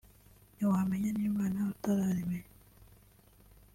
ntiwamenya n’Imana utarimenya